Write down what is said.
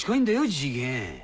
次元。